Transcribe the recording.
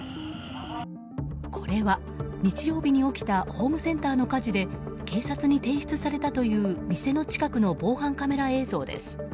これは日曜日に起きたホームセンターの火事で警察に提出されたという店の近くの防犯カメラ映像です。